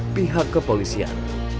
pada pihak kepolisian